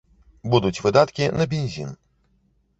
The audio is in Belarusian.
Будуць выдаткі на бензін.